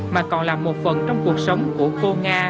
mà còn là một phần trong cuộc sống của cô nga